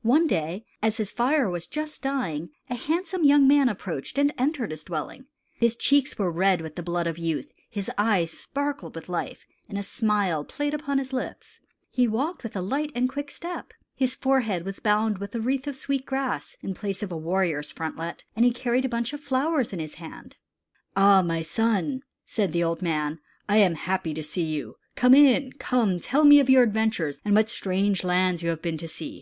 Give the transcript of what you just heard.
One day as his fire was just dying, a handsome young man approached and entered his dwelling. His cheeks were red with the blood of youth; his eyes sparkled with life; and a smile played upon his lips. He walked with a light and quick step. His forehead was bound with a wreath of sweet grass, in place of the warrior's frontlet, and he carried a bunch of flowers in his hand. "Ah! my son," said the old man, "I am happy to see you. Come in. Come, tell me of your adventures, and what strange lands you have been to see.